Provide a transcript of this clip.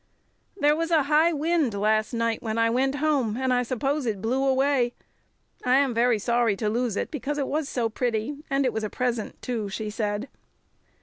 "There was a high wind last night when I went home, and I suppose it blew away. I am very sorry to lose it, because it was so pretty, and it was a present, too," she said.